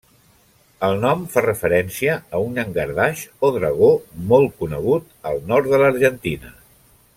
El nom fa referència a un llangardaix o Dragó molt conegut al nord de l'Argentina.